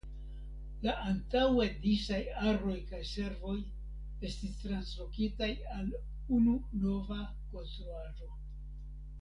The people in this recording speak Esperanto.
La antaŭe disaj aroj kaj servoj estis translokitaj al unu nova konstruaĵo.